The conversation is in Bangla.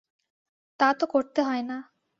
তা তো করতে হয় না।